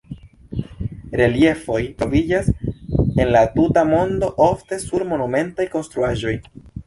Reliefoj troviĝas en la tuta mondo, ofte sur monumentaj konstruaĵoj.